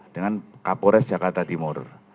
dengan kapolres jakarta timur